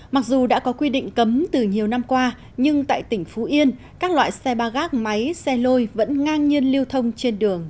mặc dù đã có quy định cấm từ nhiều năm qua nhưng tại tỉnh phú yên các loại xe ba gác máy xe lôi vẫn ngang nhiên lưu thông trên đường